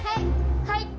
はい。